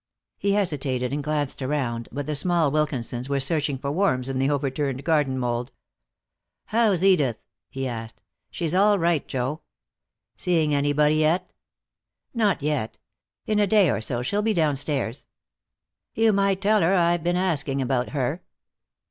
He hesitated and glanced around, but the small Wilkinsons were searching for worms in the overturned garden mold. "How's Edith?" he asked. "She's all right, Joe." "Seeing anybody yet?" "Not yet. In a day or so she'll be downstairs." "You might tell her I've been asking about her."